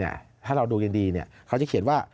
เนี่ยถ้าเราดูยังดีเนี่ยเขาจะเขียนว่า